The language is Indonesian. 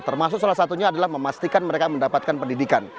termasuk salah satunya adalah memastikan mereka mendapatkan pendidikan